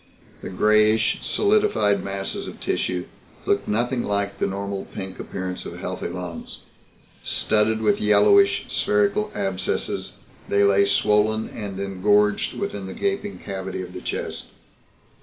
The grayish solidified masses of tissue looked nothing like the normal pink appearance of healthy lungs. Studded with yellowish spherical abscesses they lay swollen and engorged within the gaping cavity of the chest.